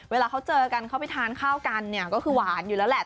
เวลาเขาเจอกันเขาไปทานข้าวกันเนี่ยก็คือหวานอยู่แล้วแหละ